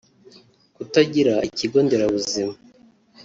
kutagira ikigo nderabuzima